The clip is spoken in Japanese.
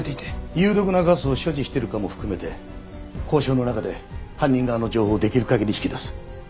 有毒なガスを所持してるかも含めて交渉の中で犯人側の情報をできる限り引き出す。